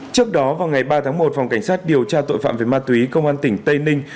trước đó vào ngày ba tháng một phòng cảnh sát điều tra tội phạm về ma túy công an tỉnh tây ninh